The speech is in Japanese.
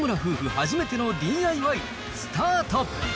初めてのＤＩＹ、スタート。